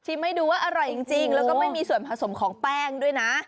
ให้ดูว่าอร่อยจริงแล้วก็ไม่มีส่วนผสมของแป้งด้วยนะ